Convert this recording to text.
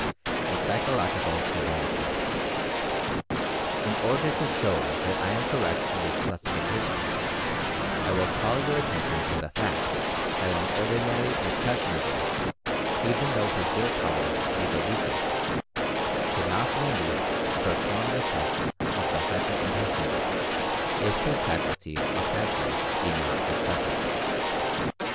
A PSYCHOLOGICAL COMBINATION. In order to show that I am correct in this classifica tion, I will call your attention to the fact that an ordinary "impressionable" even though his Will Power be the weakest, cannot be induced to perform the tests of the "hyper impressionable" if his faculty of Fancy be not excessive.